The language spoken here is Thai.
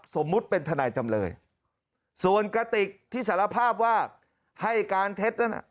สมมุติเป็นทนายจำเลยส่วนกระติกที่สารภาพว่าให้การเท็จนั้น